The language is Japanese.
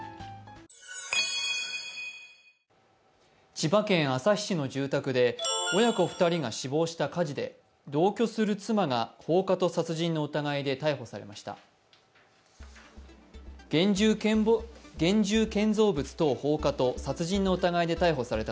千葉県旭市の住宅で、親子２人が死亡した火事で同居する妻が放火と殺人の疑いで逮捕されました。